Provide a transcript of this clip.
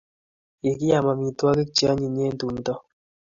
Kikiam amitwogik che anyiny eng tumto